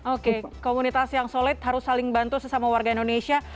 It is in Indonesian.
oke komunitas yang solid harus saling bantu sesama warga indonesia